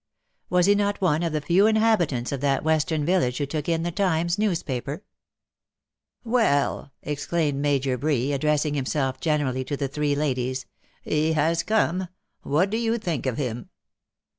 Was he not one of the few inhabitants of that western village who took in the Times newspaper ?" Well V exclaimed Major Bree, addressing him self generally to the three ladies, " he has come — what do you think of him